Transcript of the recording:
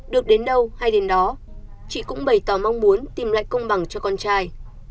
được đến đâu hay đến đó chị cũng bày tỏ mong muốn tìm lại công bằng cho con trai